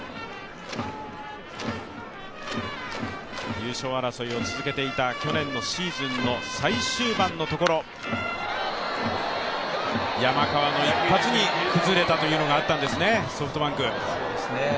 優勝争いを続けていた去年のシーズンの最終盤のところ、山川の一発に崩れたというのがあったんですね、ソフトバンク。